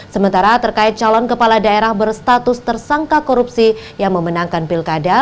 sementara terkait calon kepala daerah berstatus tersangka korupsi yang memenangkan pilkada